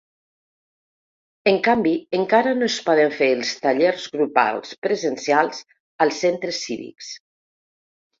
En canvi, encara no es poden fer els tallers grupals presencials als centres cívics.